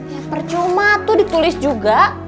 ya percuma tuh ditulis juga